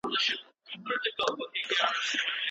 په مزاره کي نوروز بې مېلو نه وي.